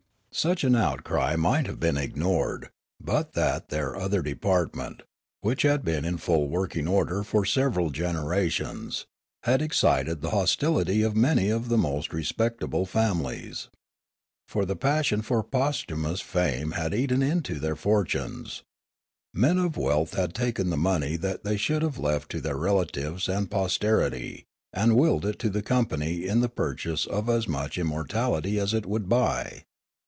Such an outcry might have been ignored, but that their other department, which had been in full working order for several generations, had excited the hostility of many of the most respectable families. For the pas sion for posthumous fame had eaten into their fortunes. Men of wealth had taken the money that they should have left to their relatives and posterity, and willed it to the company in the purchase of as much immortality 74 Riallaro as it would buy.